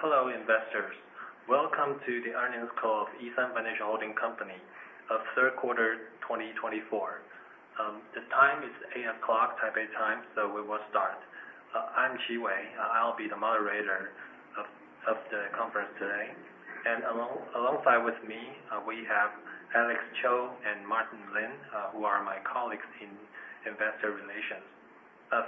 Hello, investors. Welcome to the earnings call of E.SUN Financial Holding Company of third quarter 2024. The time is 8:00 Taipei time, so we will start. I'm Qi Wei. I'll be the moderator of the conference today, alongside with me, we have Alex Cho and Martin Lin, who are my colleagues in investor relations.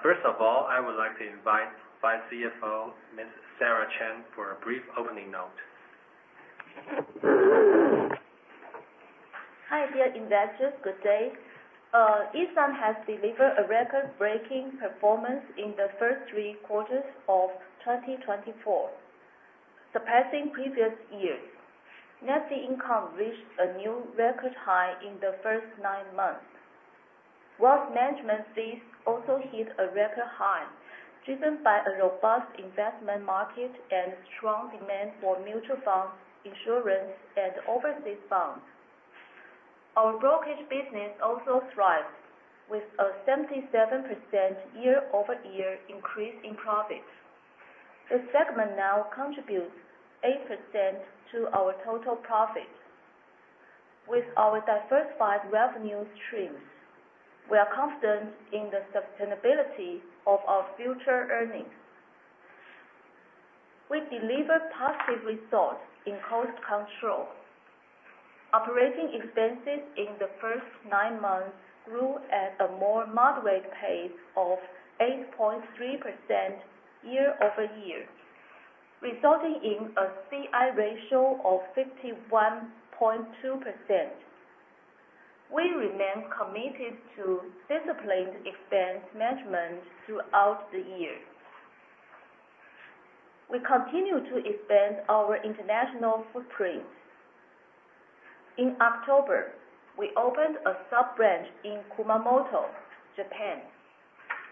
First of all, I would like to invite Deputy CFO, Ms. Sarah Chen, for a brief opening note. Hi, dear investors. Good day. E.SUN has delivered a record-breaking performance in the first three quarters of 2024, surpassing previous years. Net income reached a new record high in the first nine months. Wealth management fees also hit a record high, driven by a robust investment market and strong demand for mutual funds, insurance, and overseas bonds. Our brokerage business also thrived with a 77% year-over-year increase in profit. This segment now contributes 8% to our total profit. With our diversified revenue streams, we are confident in the sustainability of our future earnings. We delivered positive results in cost control. Operating expenses in the first nine months grew at a more moderate pace of 8.3% year-over-year, resulting in a Cost-income ratio of 51.2%. We remain committed to disciplined expense management throughout the year. We continue to expand our international footprint. In October, we opened a sub-branch in Kumamoto, Japan,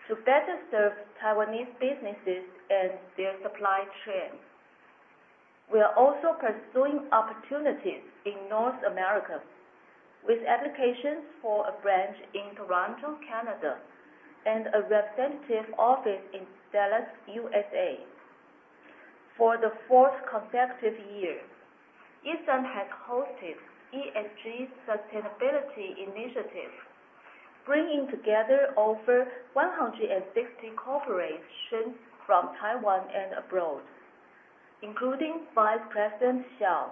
to better serve Taiwanese businesses and their supply chain. We are also pursuing opportunities in North America, with applications for a branch in Toronto, Canada, and a representative office in Dallas, U.S.A. For the fourth consecutive year, E.SUN has hosted ESG sustainability initiatives, bringing together over 160 corporations from Taiwan and abroad, including Vice President Hsiao,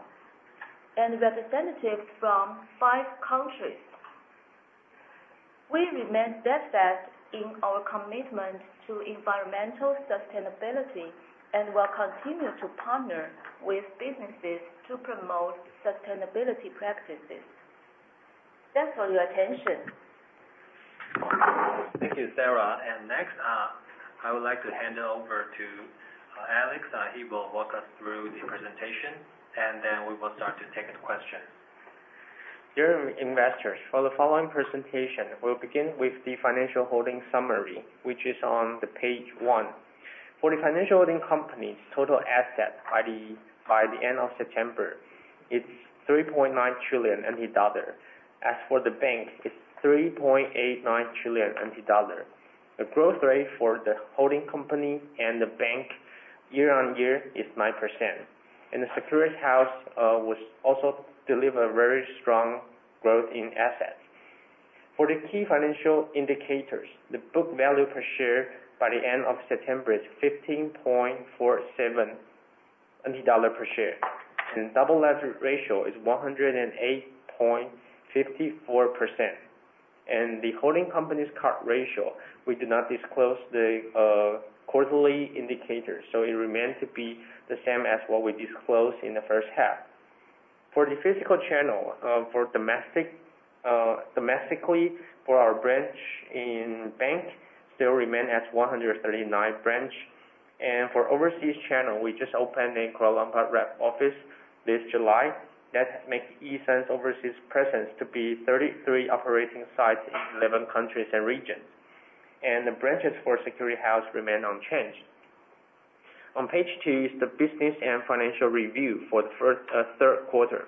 and representatives from five countries. We remain steadfast in our commitment to environmental sustainability and will continue to partner with businesses to promote sustainability practices. Thanks for your attention. Thank you, Sarah. Next, I would like to hand it over to Alex. He will walk us through the presentation, then we will start to take the questions. Dear investors, for the following presentation, we'll begin with the Financial Holding Company summary, which is on the page one. For the Financial Holding Company's total asset by the end of September, it's 3.9 trillion NT dollar. As for the bank, it's 3.89 trillion NT dollar. The growth rate for the Financial Holding Company and the bank year-over-year is 9%. The securities house also delivered very strong growth in assets. For the key financial indicators, the book value per share by the end of September is 15.47 per share, and double leverage ratio is 108.54%. The Financial Holding Company's CAR ratio, we do not disclose the quarterly indicators, so it remains to be the same as what we disclosed in the first half. For the physical channel, domestically for our branch in bank, still remain at 139 branch. For overseas channel, we just opened a Kuala Lumpur rep office this July, that makes E.SUN's overseas presence to be 33 operating sites in 11 countries and regions. The branches for security house remain unchanged. On page two is the business and financial review for the third quarter.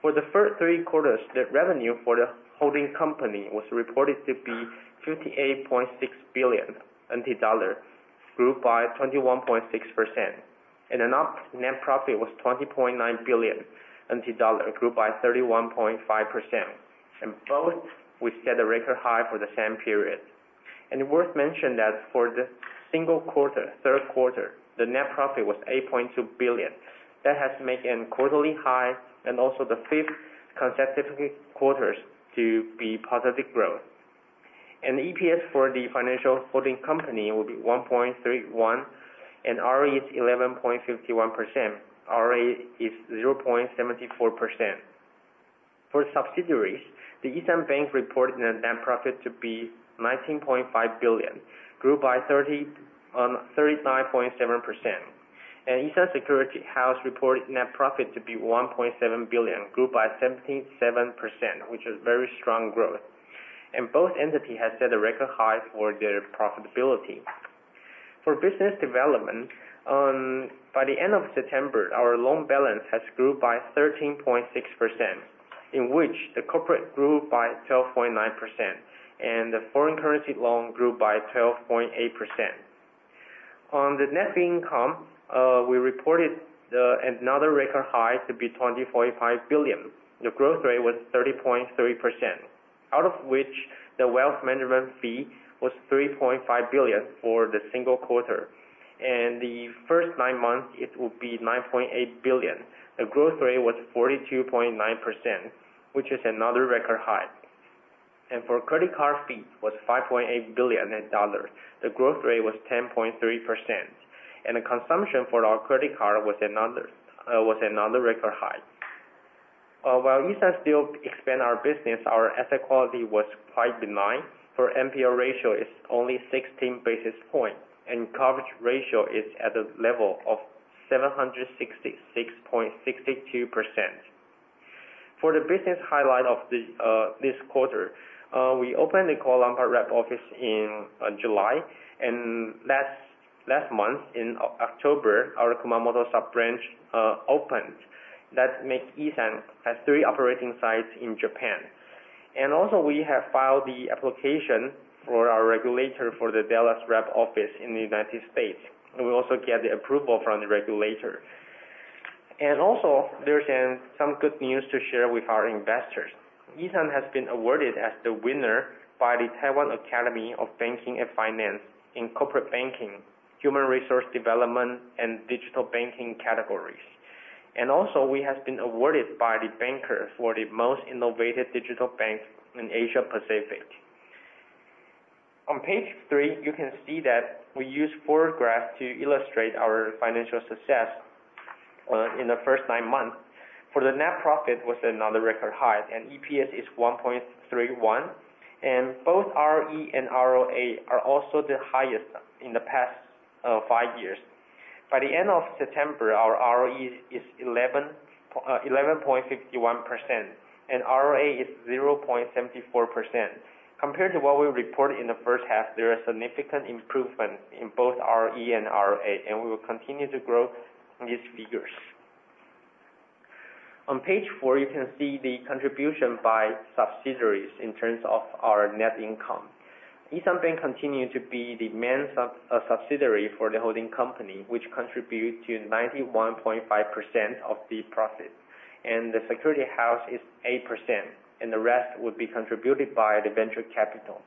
For the first three quarters, the revenue for the Financial Holding Company was reported to be 58.6 billion NT dollar, grew by 21.6%. The net profit was 20.9 billion NT dollar, grew by 31.5%. Both we set a record high for the same period. Worth mention that for the single quarter, third quarter, the net profit was 8.2 billion. That has made a quarterly high and also the fifth consecutive quarters to be positive growth. EPS for the Financial Holding Company will be 1.31. ROE is 11.51%. ROA is 0.74%. For subsidiaries, E.SUN Bank reported a net profit to be 19.5 billion, grew by 39.7%. E.SUN Securities reported net profit to be 1.7 billion, grew by 77%, which is very strong growth. Both entities have set a record high for their profitability. For business development, by the end of September, our loan balance has grew by 13.6%, in which the corporate grew by 12.9% and the foreign currency loan grew by 12.8%. On the net income, we reported another record high to be 20.5 billion. The growth rate was 30.3%, out of which the wealth management fee was 3.5 billion for the single quarter. The first nine months it would be 9.8 billion. The growth rate was 42.9%, which is another record high. For credit card fee was 5.8 billion dollars. The growth rate was 10.3%, and the consumption for our credit card was another record high. While we still expand our business, our asset quality was quite benign. NPL ratio is only 16 basis points, and coverage ratio is at a level of 766.62%. For the business highlight of this quarter, we opened the Kuala Lumpur rep office in July, and last month, in October, our Kumamoto sub-branch opened. That makes E.SUN have three operating sites in Japan. Also we have filed the application for our regulator for the Dallas rep office in the U.S., and we also get the approval from the regulator. Also, there is some good news to share with our investors. E.SUN has been awarded as the winner by the Taiwan Academy of Banking and Finance in corporate banking, human resource development, and digital banking categories. We have been awarded by The Banker for the most innovative digital bank in Asia Pacific. On page three, you can see that we use four graphs to illustrate our financial success in the first nine months. The net profit was another record high, and EPS is 1.31, and both ROE and ROA are also the highest in the past five years. By the end of September, our ROE is 11.51%, and ROA is 0.74%. Compared to what we reported in the first half, there are significant improvements in both ROE and ROA, and we will continue to grow these figures. On page four, you can see the contribution by subsidiaries in terms of our net income. E.SUN Bank continue to be the main subsidiary for the holding company, which contribute to 91.5% of the profit. The security house is 8%, and the rest would be contributed by the venture capital.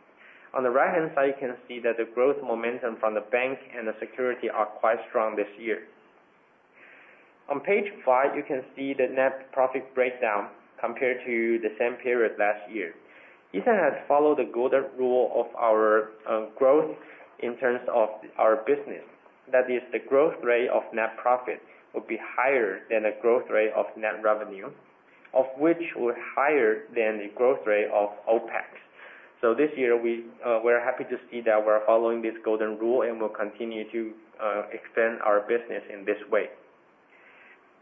On the right-hand side, you can see that the growth momentum from the bank and the security are quite strong this year. On page five, you can see the net profit breakdown compared to the same period last year. E.SUN has followed the golden rule of our growth in terms of our business. That is, the growth rate of net profit will be higher than the growth rate of net revenue, of which were higher than the growth rate of OPEX. This year, we're happy to see that we're following this golden rule, and we'll continue to expand our business in this way.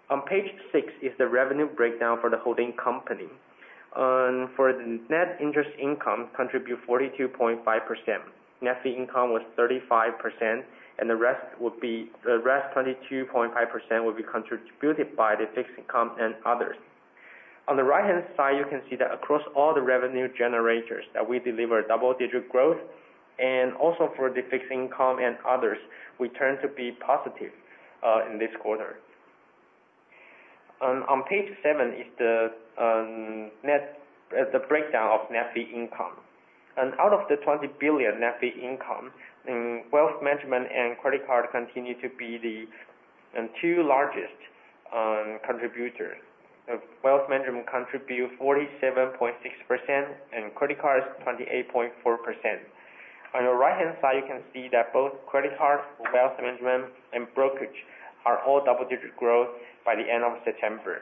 On page six is the revenue breakdown for the holding company. For the net interest income, contribute 42.5%. Net fee income was 35%, and the rest, 22.5%, would be contributed by the fixed income and others. On the right-hand side, you can see that across all the revenue generators, that we deliver double-digit growth, and also for the fixed income and others, we turn to be positive in this quarter. On page seven is the breakdown of net fee income. Out of the 20 billion net fee income, wealth management and credit card continue to be the two largest contributors. Wealth management contribute 47.6%, and credit cards, 28.4%. On the right-hand side, you can see that both credit cards, wealth management, and brokerage are all double-digit growth by the end of September.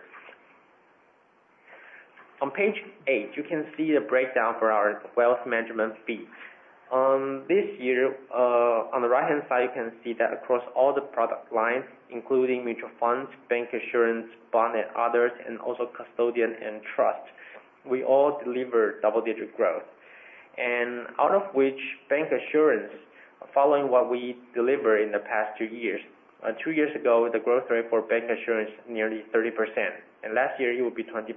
On page eight, you can see the breakdown for our wealth management fee. This year, on the right-hand side, you can see that across all the product lines, including mutual funds, bank insurance, bond and others, and also custodian and trust, we all deliver double-digit growth. Out of which, bank insurance, following what we deliver in the past two years. Two years ago, the growth rate for bank insurance nearly 30%, and last year it would be 20%.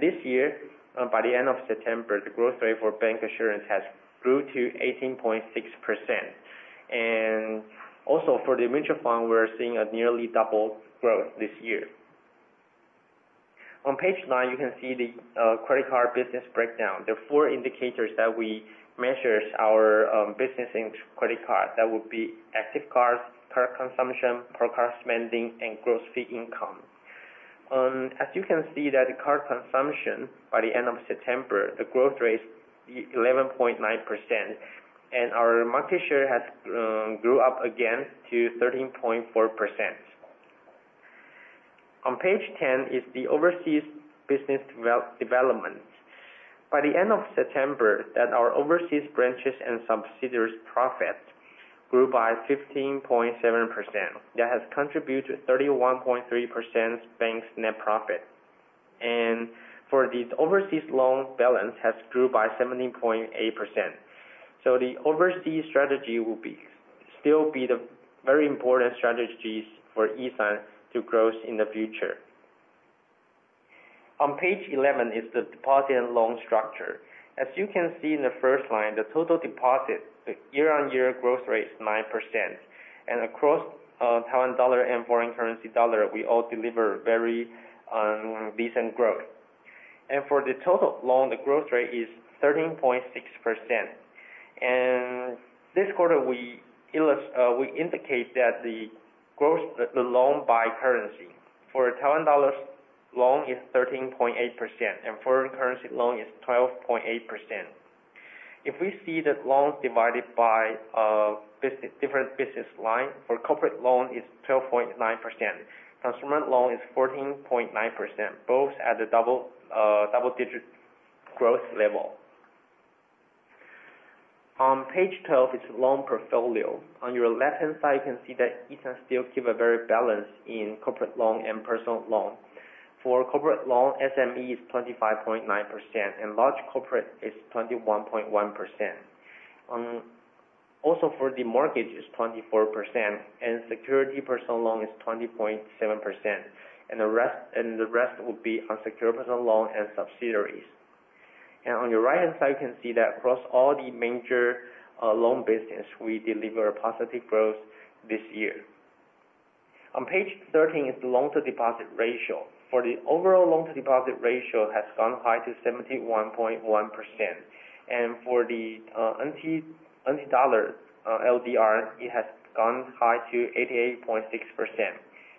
This year, by the end of September, the growth rate for bank insurance has grew to 18.6%. For the mutual fund, we're seeing a nearly double growth this year. On page nine, you can see the credit card business breakdown. There are four indicators that we measure our business in credit card. That would be active cards, card consumption, per card spending, and gross fee income. As you can see that card consumption by the end of September, the growth rate is 11.9%, and our market share has grew up again to 13.4%. On page 10 is the overseas business development. By the end of September, that our overseas branches and subsidiaries profit grew by 15.7%. That has contributed 31.3% Bank's net profit. For the overseas loan balance, has grew by 17.8%. The overseas strategy will be still be the very important strategies for E.SUN to grow in the future. On page 11 is the deposit and loan structure. As you can see in the first line, the total deposit year-on-year growth rate is 9%, and across Taiwan dollar and foreign currency dollar, we all deliver very decent growth. For the total loan, the growth rate is 13.6%. This quarter, we indicate the loan by currency. For Taiwan dollars, loan is 13.8%, and foreign currency loan is 12.8%. If we see that loans divided by different business lines, for corporate loan, it's 12.9%. Consumer loan is 14.9%, both at the double-digit growth level. On page 12 is loan portfolio. On your left-hand side, you can see that you can still keep a very balanced in corporate loan and personal loan. For corporate loan, SME is 25.9%, and large corporate is 21.1%. For the mortgage, it's 24%, and secured personal loan is 20.7%, and the rest will be unsecured personal loan and subsidiaries. On your right-hand side, you can see that across all the major loan business, we deliver a positive growth this year. On page 13 is the loan-to-deposit ratio. For the overall loan-to-deposit ratio, has gone high to 71.1%. For the NT dollar LDR, it has gone high to 88.6%,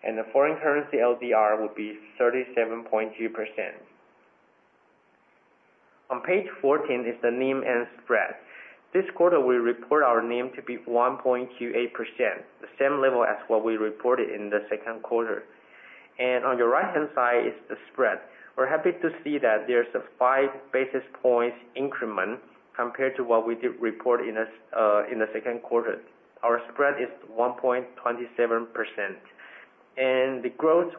and the foreign currency LDR would be 37.2%. On page 14 is the NIM and spread. This quarter, we report our NIM to be 1.28%, the same level as what we reported in the second quarter. On your right-hand side is the spread. We're happy to see that there's a five basis points increment compared to what we did report in the second quarter. Our spread is 1.27%. The growth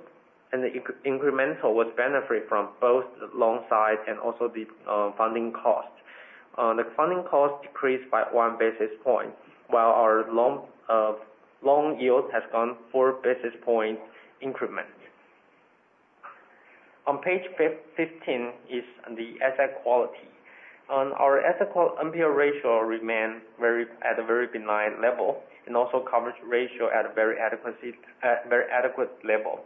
and the incremental would benefit from both the loan side and also the funding cost. The funding cost decreased by one basis point, while our loan yield has gone four basis point increment. On page 15 is the asset quality. On our asset quality, NPL ratio remains at a very benign level, and also coverage ratio at a very adequate level.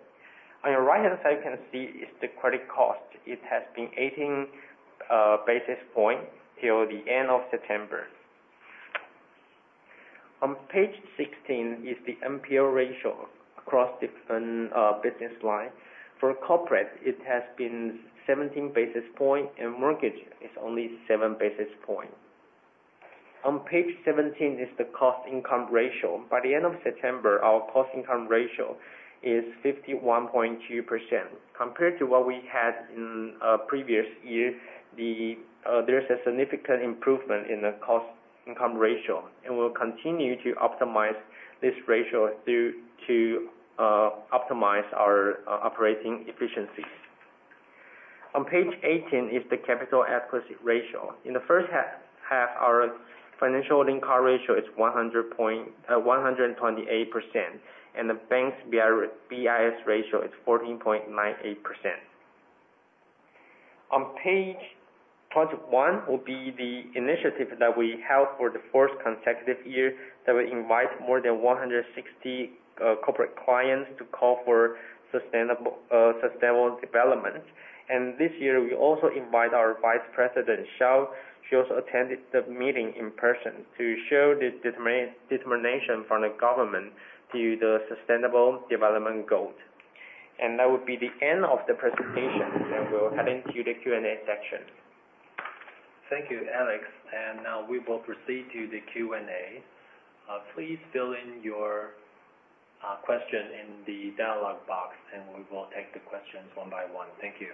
On your right-hand side, you can see is the credit cost. It has been 18 basis points till the end of September. On page 16 is the NPL ratio across different business lines. For corporate, it has been 17 basis point, and mortgage is only seven basis point. On page 17 is the cost-income ratio. By the end of September, our cost-income ratio is 51.2%. Compared to what we had in previous year, there is a significant improvement in the cost-income ratio, and we'll continue to optimize this ratio to optimize our operating efficiencies. On page 18 is the capital adequacy ratio. In the first half, our double leverage ratio is 128%, and the Bank's BIS ratio is 14.98%. On page 21 will be the initiative that we held for the fourth consecutive year, that we invite more than 160 corporate clients to call for sustainable development. This year, we also invite our Vice President, Hsiao. She also attended the meeting in person to show the determination from the government to the sustainable development goals. That would be the end of the presentation, and we will head into the Q&A section. Thank you, Alex. Now we will proceed to the Q&A. Please fill in your question in the dialogue box, and we will take the questions one by one. Thank you.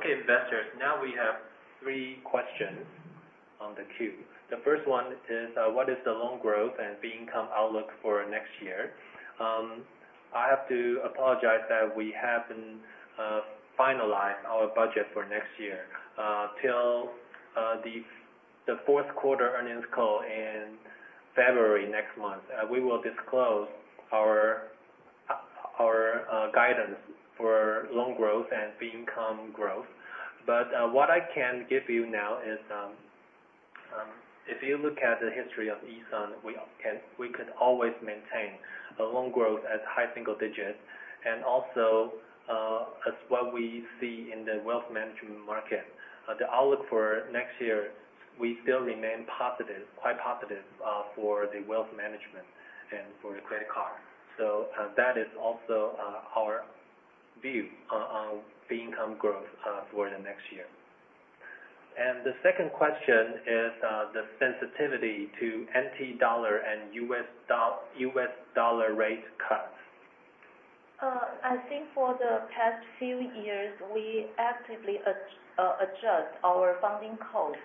Okay, investors. Now we have three questions on the queue. The first one is: What is the loan growth and fee income outlook for next year? I have to apologize that we haven't finalized our budget for next year. Till the fourth quarter earnings call in February, next month, we will disclose our guidance for loan growth and fee income growth. What I can give you now is, if you look at the history of E.SUN, we can always maintain a loan growth at high single digits. Also, as what we see in the wealth management market, the outlook for next year, we still remain positive, quite positive for the wealth management and for the credit card. That is also our view on fee income growth for the next year. The second question is the sensitivity to NT dollar and U.S. dollar rate cuts. I think for the past few years, we actively adjust our funding cost.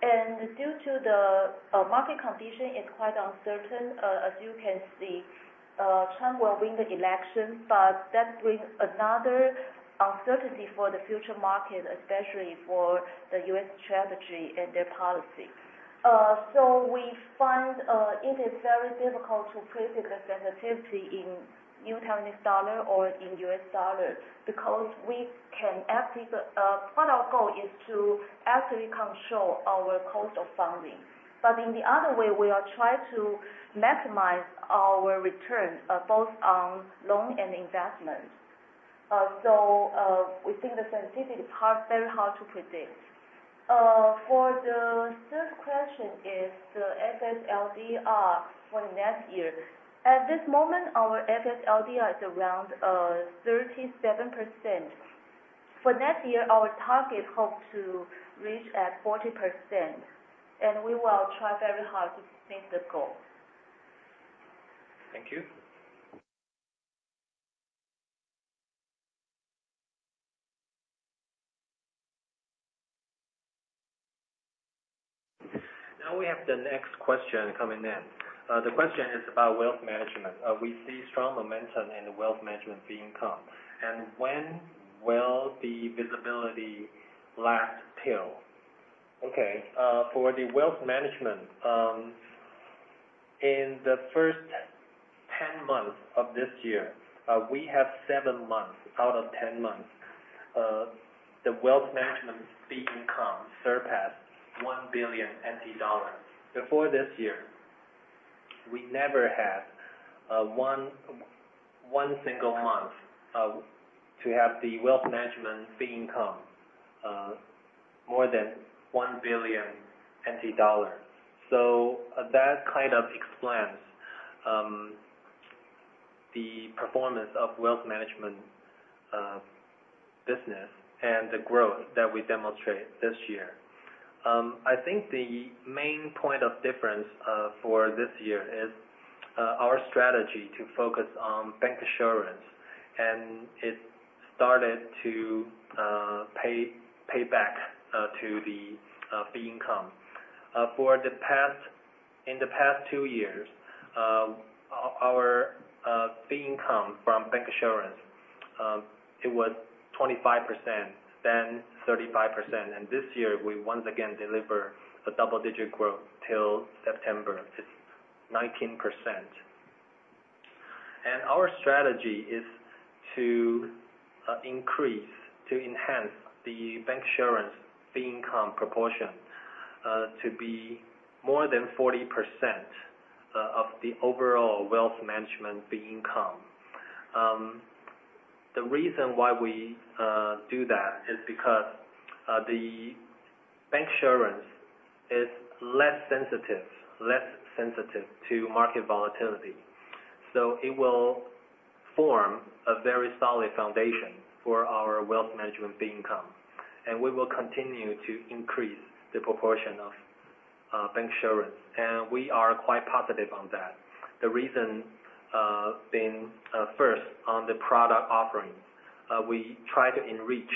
Due to the market condition is quite uncertain, as you can see, Trump will win the election, but that brings another uncertainty for the future market, especially for the U.S. Treasury and their policy. We find it is very difficult to predict the sensitivity in New Taiwan dollar or in U.S. dollar because what our goal is to actively control our cost of funding. In the other way, we are trying to maximize our return both on loan and investment. We think the sensitivity is very hard to predict. For the third question is the FSLDR for next year. At this moment, our FSLDR is around 37%. For next year, our target hopes to reach at 40%, and we will try very hard to maintain the goal. Thank you. Now we have the next question coming in. The question is about wealth management. We see strong momentum in the wealth management fee income. When will the visibility last till? Okay. For the wealth management, in the first 10 months of this year, we have seven months out of 10 months, the wealth management fee income surpassed 1 billion NT dollars. Before this year, we never had one single month to have the wealth management fee income more than 1 billion NT dollars. That kind of explains the performance of wealth management business and the growth that we demonstrate this year. I think the main point of difference for this year is our strategy to focus on bancassurance, and it started to pay back to the fee income. In the past two years, our fee income from bancassurance, it was 25%, then 35%. This year we once again deliver a double-digit growth till September, it's 19%. Our strategy is to increase, to enhance the bancassurance fee income proportion to be more than 40% of the overall wealth management fee income. The reason why we do that is because the bancassurance is less sensitive to market volatility. It will form a very solid foundation for our wealth management fee income, and we will continue to increase the proportion of bancassurance. We are quite positive on that. The reason being, first, on the product offerings. We try to enrich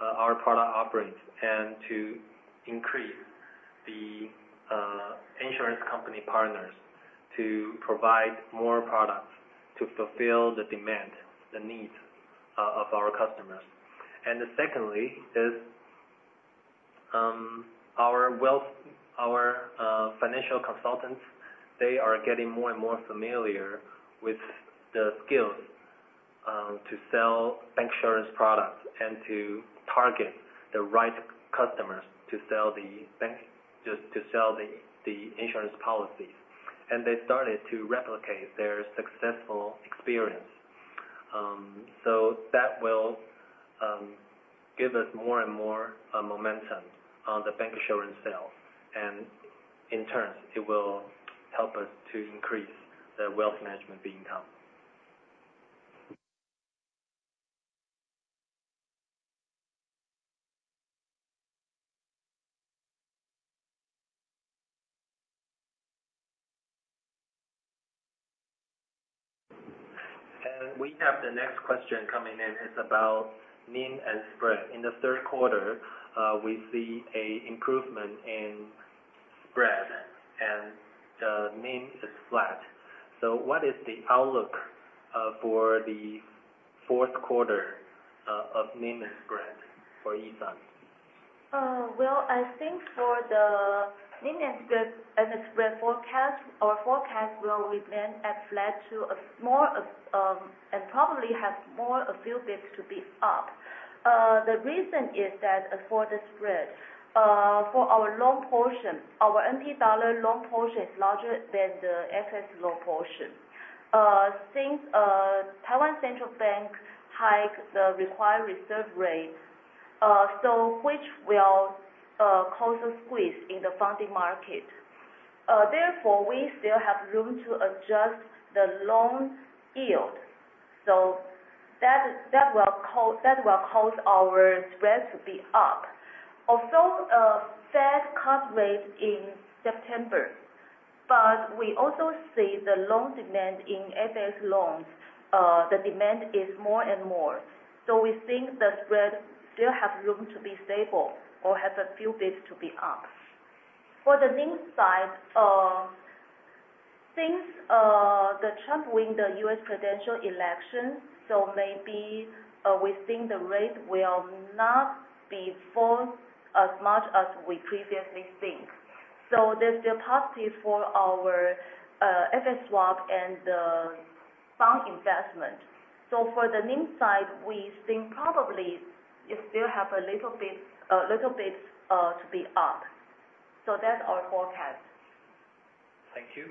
our product offerings and to increase the insurance company partners to provide more products to fulfill the demand, the needs of our customers. Secondly is our financial consultants. They are getting more and familiar with the skills to sell bancassurance products and to target the right customers to sell the insurance policies. They started to replicate their successful experience. That will give us more and more momentum on the bancassurance sale, and in turn, it will help us to increase the wealth management income. We have the next question coming in. It's about NIM and spread. In the third quarter, we see an improvement in spread and the NIM is flat. What is the outlook for the fourth quarter of NIM and spread for E.SUN? Well, I think for the NIM and spread forecast, our forecast will remain flat to a small, and probably have more a few bits to be up. The reason is that for the spread, for our loan portion, our NT dollar loan portion is larger than the FX loan portion. Since Taiwan Central Bank hike the required reserve rate, which will cause a squeeze in the funding market. Therefore, we still have room to adjust the loan yield. That will cause our spread to be up. Although FED cut rate in September, we also see the loan demand in FX loans, the demand is more and more. We think the spread still have room to be stable or has a few bits to be up. For the NIM side, since Trump win the U.S. presidential election, maybe we think the rate will not be fall as much as we previously think. There's still positive for our FX swap and the fund investment. For the NIM side, we think probably it still have a little bit to be up. That's our forecast. Thank you.